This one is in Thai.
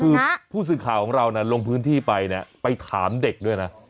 คือผู้สื่อข่าวของเราลงพื้นที่ไปเนี่ยไปถามเด็กด้วยนะ